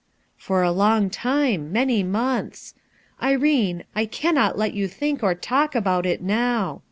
"For a long time, many months. Irene, I cannot let you talk or think about it now.